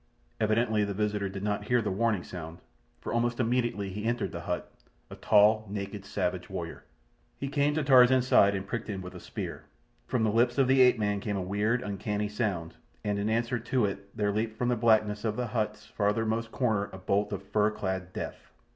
Evidently the visitor did not hear the warning sound, for almost immediately he entered the hut—a tall, naked, savage warrior. He came to Tarzan's side and pricked him with a spear. From the lips of the ape man came a weird, uncanny sound, and in answer to it there leaped from the blackness of the hut's farthermost corner a bolt of fur clad death.